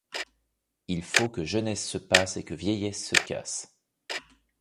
Il faut que jeunesse se passe et que vieillesse se casse.